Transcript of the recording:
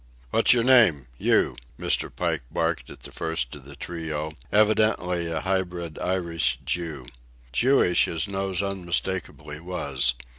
"What's your name—you?" Mr. Pike barked at the first of the trio, evidently a hybrid Irish Jew. Jewish his nose unmistakably was.